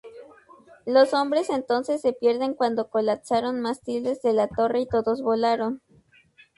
Los hombres entonces se pierden cuando colapsaron mástiles de la torre y todos volaron.